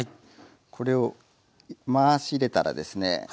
これを回し入れたらですね